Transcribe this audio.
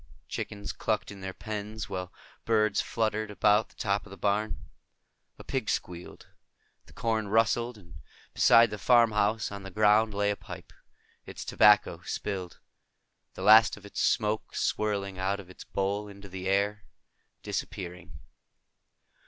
Chickens clucked in their pens, while birds fluttered about the top of the barn. A pig squealed. The corn rustled. And beside the farmhouse, on the ground, lay a pipe, its tobacco spilled, the last of its smoke swirling out of its bowl into the air, disappearing.